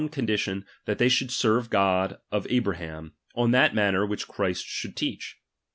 261 condition that they should sen'e the God of Abra chai ham on that manner which Christ should teach.